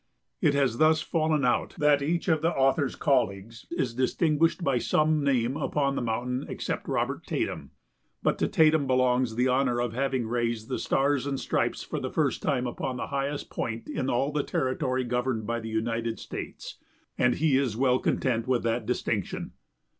It has thus fallen out that each of the author's colleagues is distinguished by some name upon the mountain except Robert Tatum. But to Tatum belongs the honor of having raised the stars and stripes for the first time upon the highest point in all the territory governed by the United States; and he is well content with that distinction.